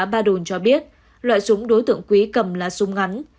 thị xã ba đồn cho biết loại súng đối tượng quý cầm là súng ngắn